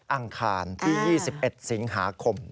อังคารที่๒๑สิงหาคม